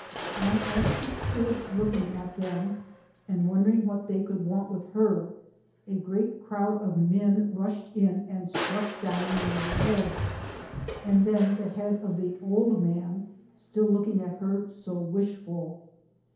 83 and as she stood looking at them, and wondering what they could want with her, a great crowd of men rushed in and struck down the younger heads, and then the head of the old man, still looking at her so ' wishful.'